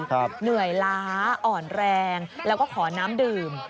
เหนื่อยล้าอ่อนแรงแล้วก็ขอน้ำดื่ม